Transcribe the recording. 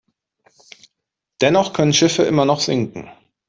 Dennoch können Schiffe immer noch sinken.